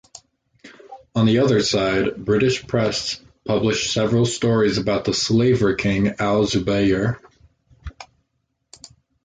On the other side, British press published several stories about “The slaver king” Al-Zubayr.